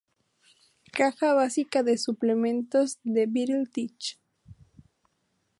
Caja básica y suplementos de BattleTech